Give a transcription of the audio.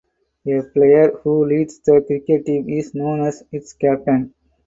A player who leads the cricket team is known as its captain.